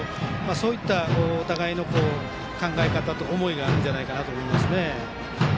そういったお互いの考え方とか思いがあるんじゃないかと思いますね。